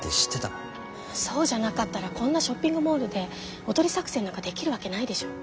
そうじゃなかったらこんなショッピングモールでおとり作戦なんかできるわけないでしょ。